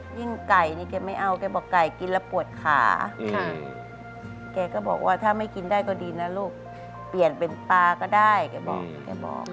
ไก่นี่แกไม่เอาแกบอกไก่กินแล้วปวดขาแกก็บอกว่าถ้าไม่กินได้ก็ดีนะลูกเปลี่ยนเป็นปลาก็ได้แกบอกแกบอก